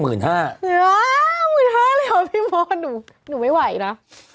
๕๐๐๐เลยเหรอพี่มอร์ตหนูไม่ไหวนะ